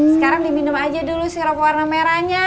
sekarang diminum aja dulu sirop warna merahnya